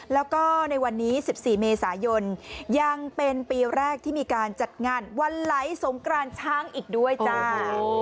แล้วก็ในวันนี้๑๔เมษายนยังเป็นปีแรกที่มีการจัดงานวันไหลสงกรานช้างอีกด้วยจ้า